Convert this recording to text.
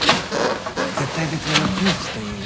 絶体絶命のピンチという意味です。